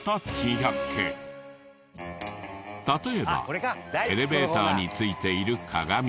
例えばエレベーターについている鏡。